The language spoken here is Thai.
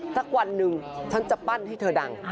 สักวันหนึ่งฉันจะปั้นให้เธอดัง